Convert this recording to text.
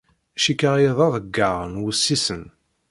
Cikkeɣ aya d aḍeyyeɛ n wussisen.